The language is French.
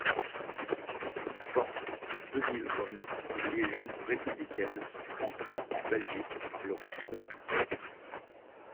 Forte de deux mille hommes la légion républicaine entra en Belgique par le Risquons-Tout.